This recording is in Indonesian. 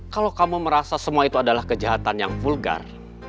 kalau kamu merasa semua itu adalah kejahatan yang vulgar